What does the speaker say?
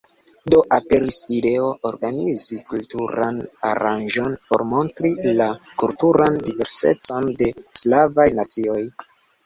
Do aperis ideo organizi kulturan aranĝon por montri la kulturan diversecon de slavaj nacioj.